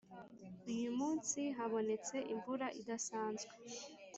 Uyu munsi habonetse imvura idasanzwe